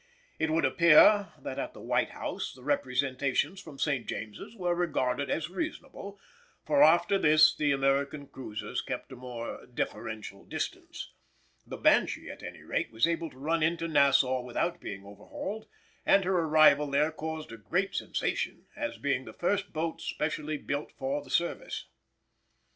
It would appear that at the White House the representations from St. James's were regarded as reasonable, for after this the American cruisers kept a more deferential distance; the Banshee at any rate was able to run into Nassau without being overhauled, and her arrival there caused a great sensation, as being the first boat specially built for the service.